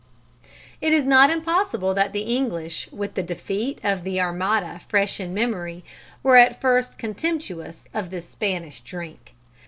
It is not impossible that the English, with the defeat of the Armada fresh in memory, were at first contemptuous of this "Spanish" drink.